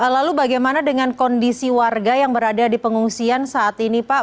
lalu bagaimana dengan kondisi warga yang berada di pengungsian saat ini pak